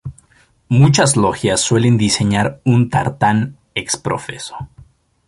Muchas logias suelen diseñar un tartán exprofeso.